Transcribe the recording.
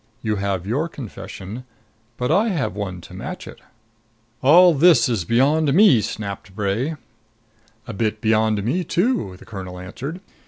You have your confession, but I have one to match it." "All this is beyond me," snapped Bray. "A bit beyond me, too," the colonel answered.